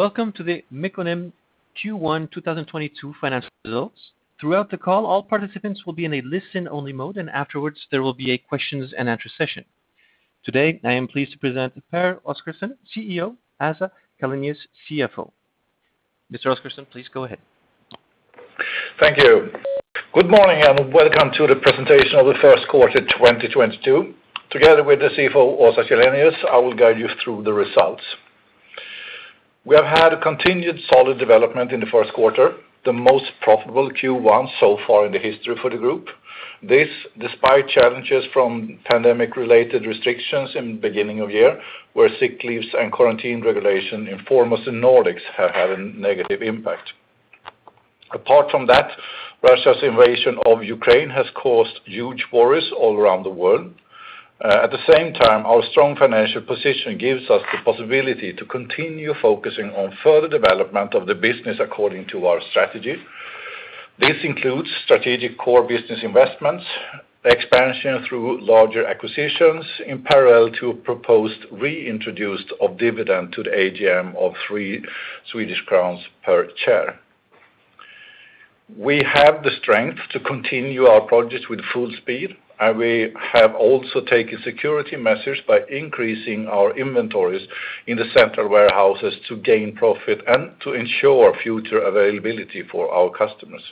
Welcome to the Mekonomen Q1 2022 financial results. Throughout the call, all participants will be in a listen-only mode, and afterwards, there will be a question-and-answer session. Today, I am pleased to present Pehr Oscarson, CEO, and Åsa Källenius, CFO. Mr. Oscarson, please go ahead. Thank you. Good morning, and welcome to the presentation of the first quarter 2022. Together with the CFO, Åsa Källenius, I will guide you through the results. We have had a continued solid development in the first quarter, the most profitable Q1 so far in the history for the group. This despite challenges from pandemic-related restrictions in beginning of year, where sick leaves and quarantine regulation in foremost in Nordics have had a negative impact. Apart from that, Russia's invasion of Ukraine has caused huge worries all around the world. At the same time, our strong financial position gives us the possibility to continue focusing on further development of the business according to our strategy. This includes strategic core business investments, expansion through larger acquisitions in parallel to a proposed reintroduced of dividend to the AGM of 3 Swedish crowns per share. We have the strength to continue our projects with full speed, and we have also taken security measures by increasing our inventories in the central warehouses to gain profit and to ensure future availability for our customers.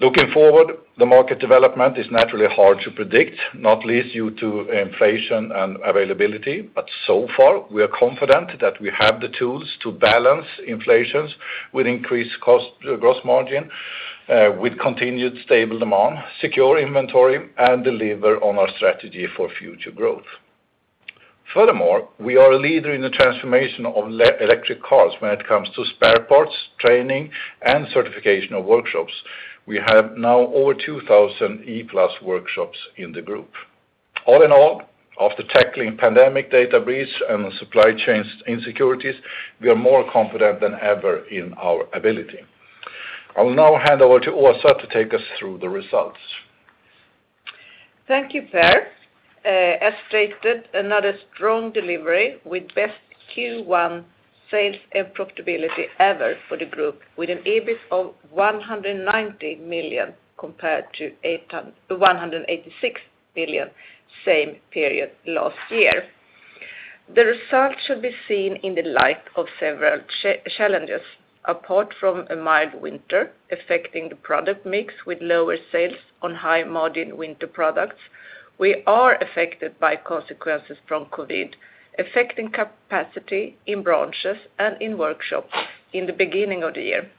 Looking forward, the market development is naturally hard to predict, not least due to inflation and availability, but so far, we are confident that we have the tools to balance inflations with increased cost, gross margin, with continued stable demand, secure inventory, and deliver on our strategy for future growth. Furthermore, we are a leader in the transformation of electric cars when it comes to spare parts, training, and certification of workshops. We have now over 2,000 E+ workshops in the group. All in all, after tackling pandemic, data breach and supply chain insecurities, we are more confident than ever in our ability. I will now hand over to Åsa to take us through the results. Thank you, Pehr. As stated, another strong delivery with best Q1 sales and profitability ever for the group with an EBIT of 190 million compared to 186 million same period last year. The results should be seen in the light of several challenges. Apart from a mild winter affecting the product mix with lower sales on high-margin winter products, we are affected by consequences from COVID, affecting capacity in branches and in workshops in the beginning of the year.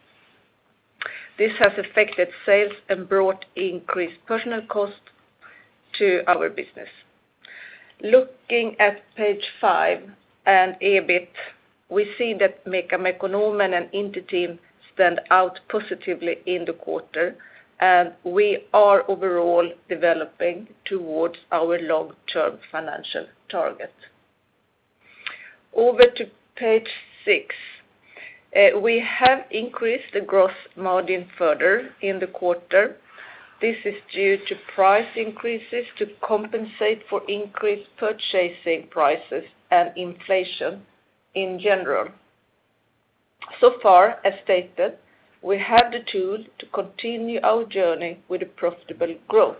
This has affected sales and brought increased personnel cost to our business. Looking at page five and EBIT, we see that MECA, Mekonomen and Inter-Team stand out positively in the quarter, and we are overall developing towards our long-term financial target. Over to page six. We have increased the gross margin further in the quarter. This is due to price increases to compensate for increased purchasing prices and inflation in general. Far, as stated, we have the tools to continue our journey with a profitable growth.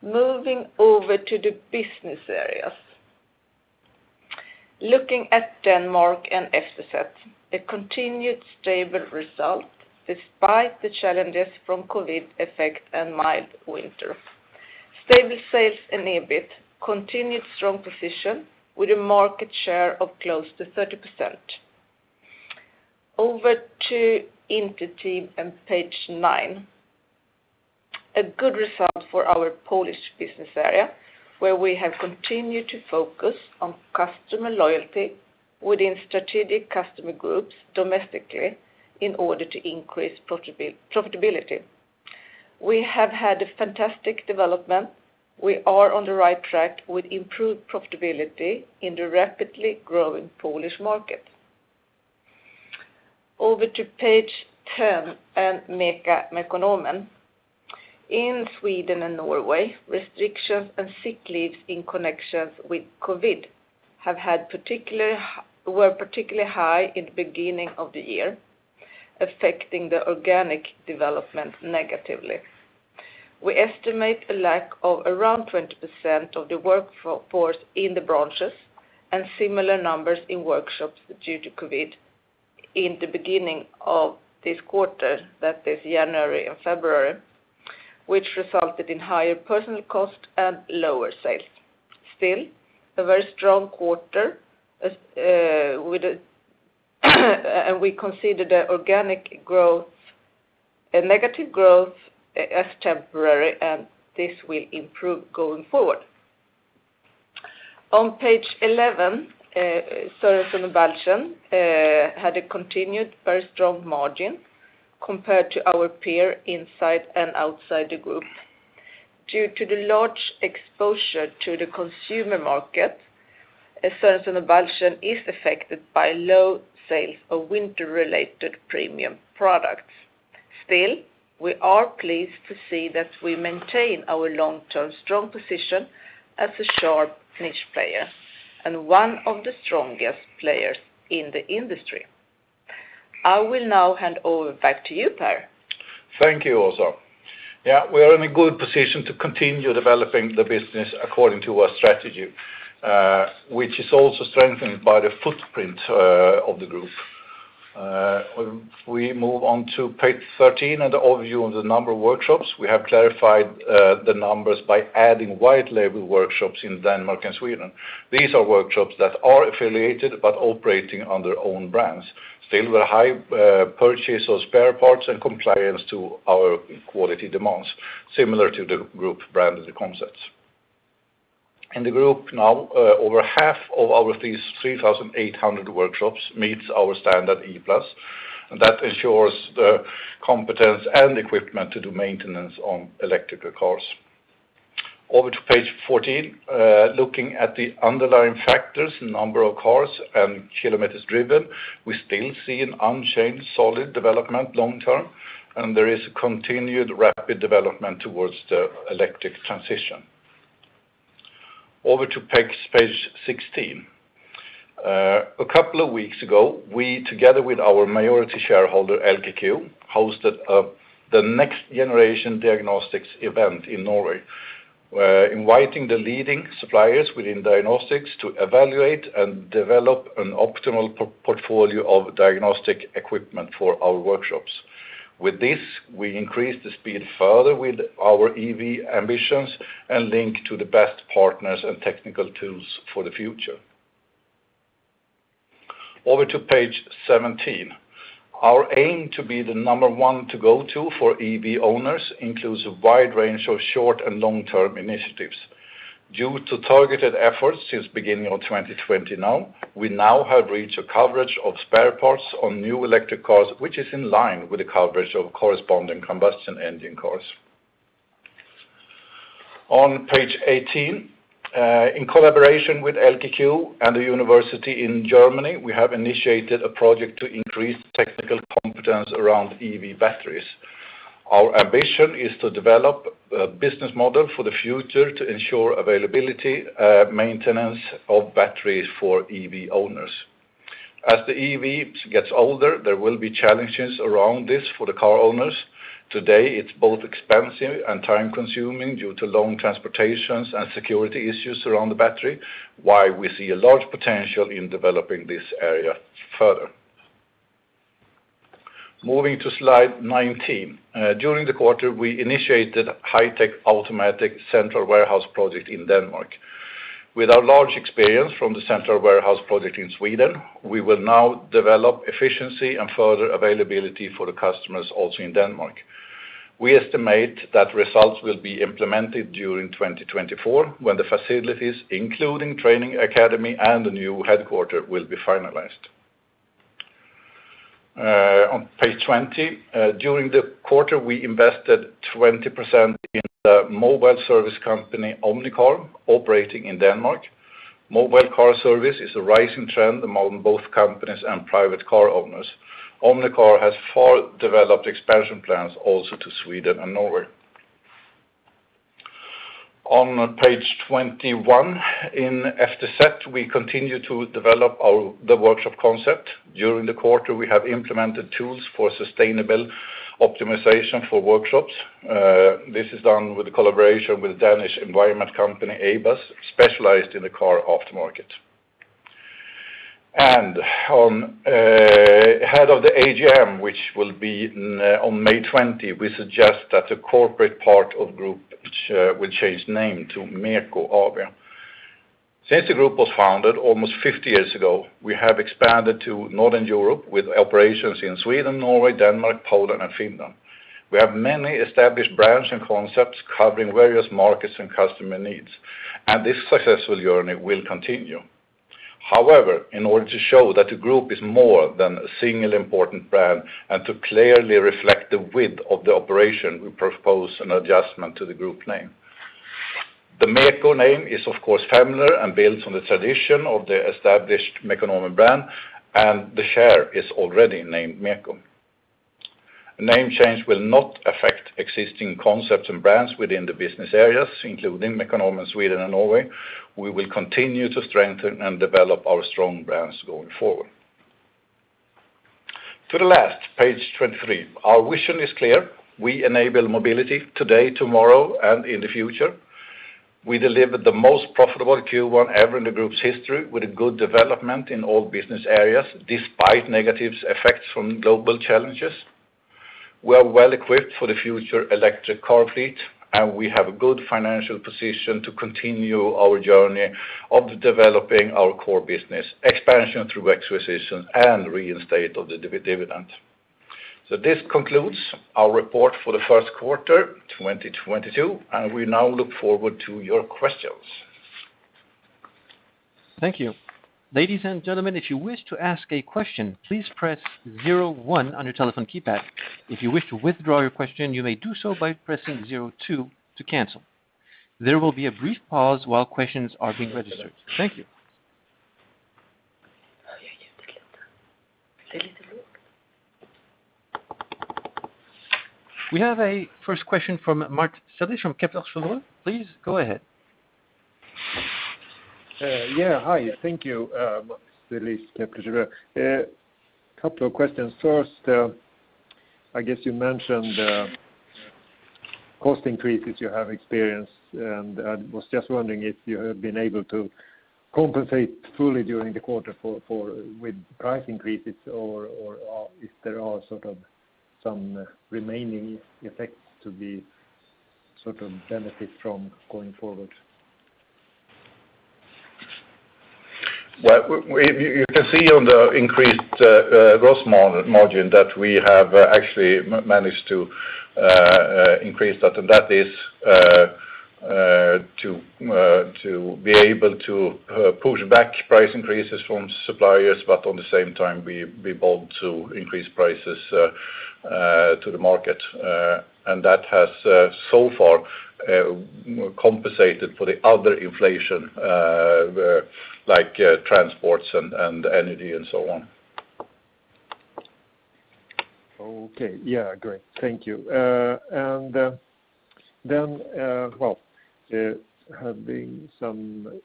Moving over to the business areas. Looking at Denmark and aftermarket, a continued stable result despite the challenges from COVID effect and mild winter. Stable sales in EBIT, continued strong position with a market share of close to 30%. Over to Inter-Team on page nine. A good result for our Polish business area, where we have continued to focus on customer loyalty within strategic customer groups domestically in order to increase profitability. We have had a fantastic development. We are on the right track with improved profitability in the rapidly growing Polish market. Over to page 10 and MECA, Mekonomen. In Sweden and Norway, restrictions and sick leaves in connection with COVID were particularly high in the beginning of the year, affecting the organic development negatively. We estimate a lack of around 20% of the workforce in the branches and similar numbers in workshops due to COVID in the beginning of this quarter, that is January and February, which resulted in higher personnel cost and lower sales. Still, a very strong quarter, we consider the organic growth a negative growth as temporary, and this will improve going forward. On page 11, Sørensen og Balchen had a continued very strong margin compared to our peers inside and outside the group. Due to the large exposure to the consumer market, Sørensen og Balchen is affected by low sales of winter-related premium products. Still, we are pleased to see that we maintain our long-term strong position as a sharp niche player and one of the strongest players in the industry. I will now hand over back to you, Pehr. Thank you, Åsa. Yeah, we are in a good position to continue developing the business according to our strategy, which is also strengthened by the footprint of the group. We move on to page 13 and the overview on the number of workshops. We have clarified the numbers by adding white label workshops in Denmark and Sweden. These are workshops that are affiliated but operating under own brands. Still, with high purchase of spare parts and compliance to our quality demands, similar to the group brand of the concepts. In the group now, over half of our 3,800 workshops meets our standard E+, and that ensures the competence and equipment to do maintenance on electric cars. Over to page 14, looking at the underlying factors, number of cars, and kilometers driven, we still see an unchanged, solid development long term, and there is a continued rapid development towards the electric transition. Over to page 16. A couple of weeks ago, we together with our minority shareholder, LKQ, hosted the next generation diagnostics event in Norway. We're inviting the leading suppliers within diagnostics to evaluate and develop an optimal portfolio of diagnostic equipment for our workshops. With this, we increase the speed further with our EV ambitions and link to the best partners and technical tools for the future. Over to page 17. Our aim to be the number one to go to for EV owners includes a wide range of short and long-term initiatives. Due to targeted efforts since beginning of 2020, we have reached a coverage of spare parts on new electric cars, which is in line with the coverage of corresponding combustion engine cars. On page 18, in collaboration with LKQ and a university in Germany, we have initiated a project to increase technical competence around EV batteries. Our ambition is to develop a business model for the future to ensure availability, maintenance of batteries for EV owners. As the EVs gets older, there will be challenges around this for the car owners. Today, it's both expensive and time-consuming due to long transportations and security issues around the battery, why we see a large potential in developing this area further. Moving to slide 19. During the quarter, we initiated high-tech automatic central warehouse project in Denmark. With our large experience from the central warehouse project in Sweden, we will now develop efficiency and further availability for the customers also in Denmark. We estimate that results will be implemented during 2024 when the facilities, including training academy and the new headquarters will be finalized. On page 20, during the quarter, we invested 20% in the mobile service company, Omnicar, operating in Denmark. Mobile car service is a rising trend among both companies and private car owners. Omnicar has well-developed expansion plans also to Sweden and Norway. On page 21, in Afterset, we continue to develop the workshop concept. During the quarter, we have implemented tools for sustainable optimization for workshops. This is done with the collaboration with Danish environmental company, ABUS, specialized in the car aftermarket. Ahead of the AGM, which will be on May 20, we suggest that a corporate part of group will change name to MEKO. Since the group was founded almost 50 years ago, we have expanded to Northern Europe with operations in Sweden, Norway, Denmark, Poland, and Finland. We have many established brands and concepts covering various markets and customer needs, and this successful journey will continue. However, in order to show that the group is more than a single important brand and to clearly reflect the breadth of the operation, we propose an adjustment to the group name. The MEKO name is of course familiar and builds on the tradition of the established Mekonomen brand, and the share is already named MEKO. Name change will not affect existing concepts and brands within the business areas, including Mekonomen Sweden and Norway. We will continue to strengthen and develop our strong brands going forward. To the last, page 23. Our vision is clear. We enable mobility today, tomorrow, and in the future. We delivered the most profitable Q1 ever in the group's history with a good development in all business areas, despite negative effects from global challenges. We are well equipped for the future electric car fleet, and we have a good financial position to continue our journey of developing our core business, expansion through acquisition, and reinstatement of the dividend. This concludes our report for the first quarter 2022, and we now look forward to your questions. Thank you. Ladies and gentlemen, if you wish to ask a question, please press zero one on your telephone keypad. If you wish to withdraw your question, you may do so by pressing zero two to cancel. There will be a brief pause while questions are being registered. Thank you. We have a first question from Mats Liss from Kepler Cheuvreux. Please go ahead. Yeah. Hi. Thank you, Mats Liss, Kepler Cheuvreux. Couple of questions. First, I guess you mentioned cost increases you have experienced, and I was just wondering if you have been able to compensate fully during the quarter for with price increases or if there are sort of some remaining effects to be sort of benefit from going forward. Well, you can see the increased gross margin that we have actually managed to increase that, and that is to be able to push back price increases from suppliers, but at the same time we have been able to increase prices to the market. That has so far compensated for the other inflation where like transports and energy and so on. Okay. Yeah, great. Thank you. Well, having some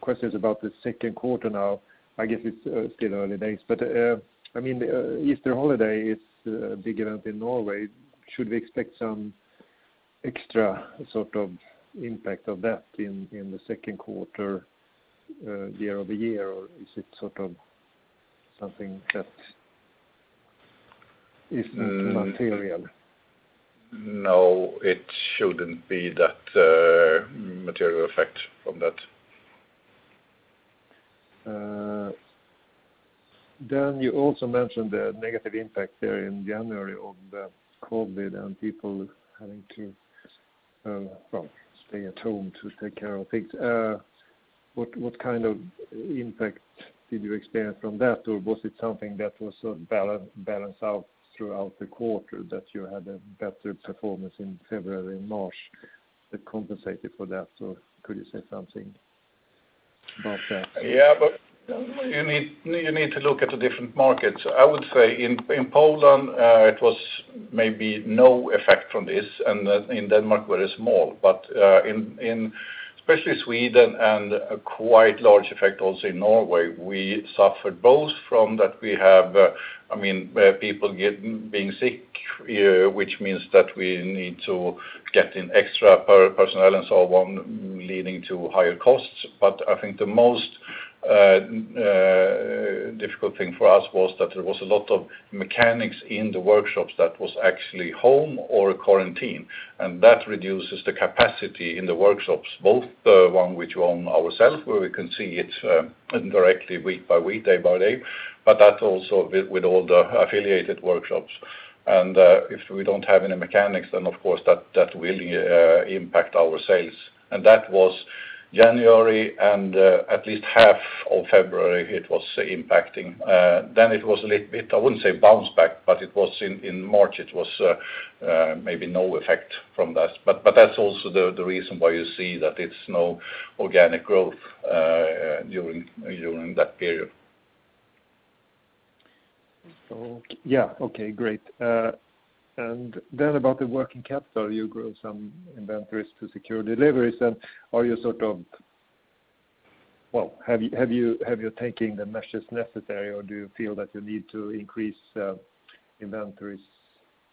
questions about the second quarter now. I guess it's still early days, but I mean, Easter holiday is a big event in Norway. Should we expect some extra sort of impact of that in the second quarter year-over-year? Or is it sort of something that isn't material? No, it shouldn't be that, material effect from that. Then you also mentioned the negative impact there in January of the COVID and people having to stay at home to take care of things. What kind of impact did you experience from that? Or was it something that was balanced out throughout the quarter that you had a better performance in February and March that compensated for that? Could you say something about that? Yeah, you need to look at the different markets. I would say in Poland, it was maybe no effect from this and in Denmark was small. In especially Sweden and a quite large effect also in Norway, we suffered both from that we have, I mean, people being sick, which means that we need to get in extra personnel and so on, leading to higher costs. I think the most difficult thing for us was that there was a lot of mechanics in the workshops that was actually home or quarantine, and that reduces the capacity in the workshops, both the one which we own ourselves, where we can see it indirectly week by week, day by day, but that also with all the affiliated workshops. If we don't have any mechanics, then of course that will impact our sales. That was January and at least half of February, it was impacting. Then it was a little bit, I wouldn't say bounce back, but it was in March, it was maybe no effect from that. That's also the reason why you see that it's no organic growth during that period. Yeah. Okay, great. About the working capital, you grow some inventories to secure deliveries. Have you taken the measures necessary, or do you feel that you need to increase inventories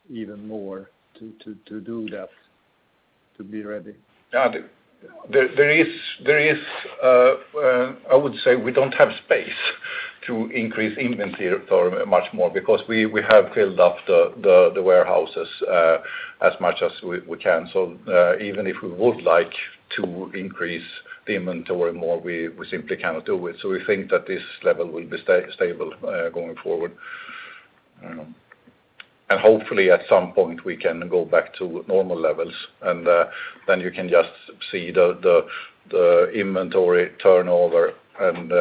even more to do that to be ready? Yeah. There is, I would say we don't have space to increase inventory or much more because we have filled up the warehouses as much as we can. Even if we would like to increase the inventory more, we simply cannot do it. We think that this level will be stable going forward. Hopefully at some point we can go back to normal levels, and then you can just see the inventory turnover, and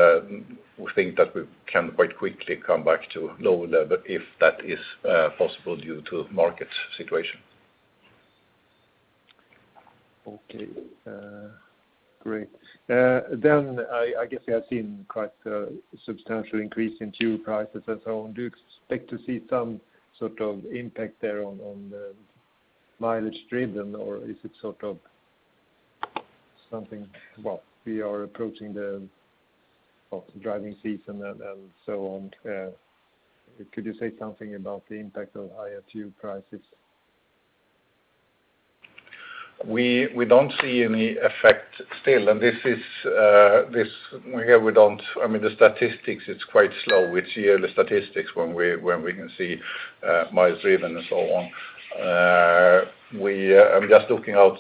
we think that we can quite quickly come back to lower level if that is possible due to market situation. Okay. Great. I guess you have seen quite a substantial increase in fuel prices and so on. Do you expect to see some sort of impact there on the mileage driven? Is it sort of something, well, we are approaching well, driving season and so on. Could you say something about the impact of higher fuel prices? We don't see any effect still. I mean, the statistics, it's quite slow. We see the statistics when we can see miles driven and so on. I'm just looking out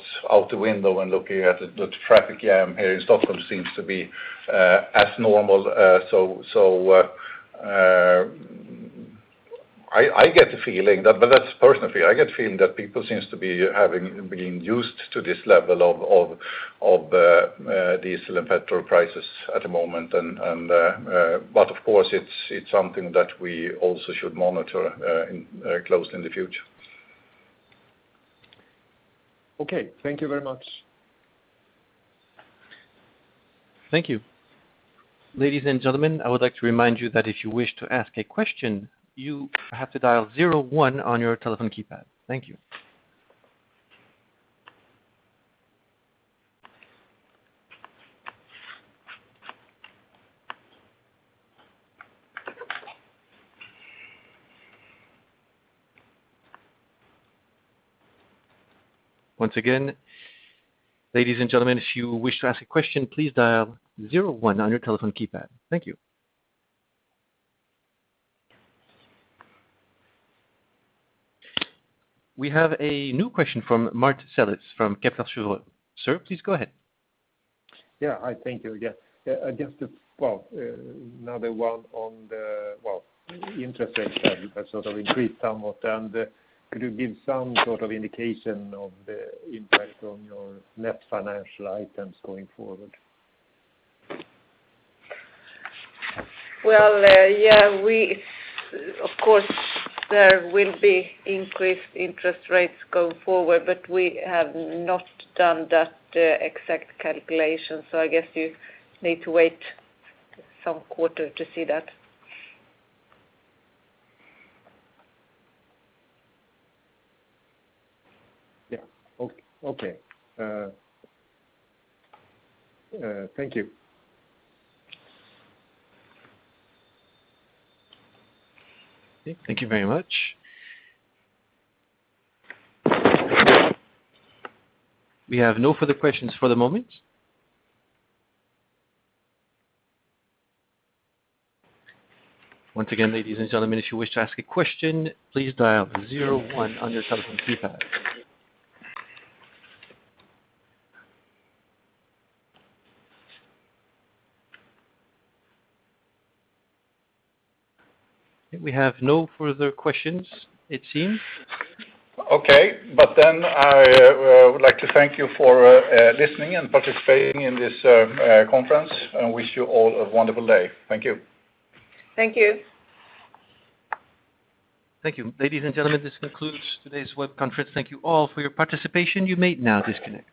the window and looking at the traffic jam here in Stockholm seems to be as normal. I get the feeling, but that's personal feeling. I get the feeling that people seems to be having been used to this level of diesel and petrol prices at the moment, but of course it's something that we also should monitor it closely in the future. Okay, thank you very much. Thank you. Ladies and gentlemen, I would like to remind you that if you wish to ask a question, you have to dial zero one on your telephone keypad. Thank you. Once again, ladies and gentlemen, if you wish to ask a question, please dial zero one on your telephone keypad. Thank you. We have a new question from Mats Liss from Kepler Cheuvreux. Sir, please go ahead. Yeah. I thank you. Yes. I guess it's, well, another one on the, well, intersection that sort of increased somewhat. Could you give some sort of indication of the impact on your net financial items going forward? Well, yeah, of course, there will be increased interest rates going forward, but we have not done that exact calculation, so I guess you need to wait some quarter to see that. Yeah. Okay. Thank you. Okay, thank you very much. We have no further questions for the moment. Once again, ladies and gentlemen, if you wish to ask a question, please dial zero one on your telephone keypad. We have no further questions, it seems. Okay. I would like to thank you for listening and participating in this conference, and wish you all a wonderful day. Thank you. Thank you. Thank you. Ladies and gentlemen, this concludes today's web conference. Thank you all for your participation. You may now disconnect.